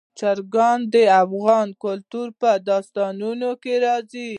چرګان د افغان کلتور په داستانونو کې راځي.